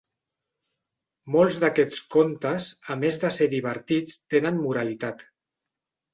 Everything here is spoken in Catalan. Molts d'aquests contes, a més de ser divertits, tenen moralitat.